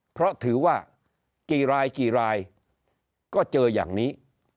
เพราะถือว่ากี่รายกี่รายก็เจออย่างนี้